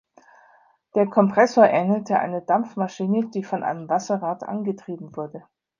Der Kompressor ähnelte einer Dampfmaschine, die von einem Wasserrad angetrieben wurde.